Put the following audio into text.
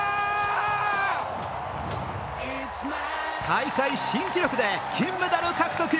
大会新記録で金メダル獲得。